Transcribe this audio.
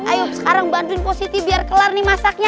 ayo sekarang bantuin positi biar kelar nih masaknya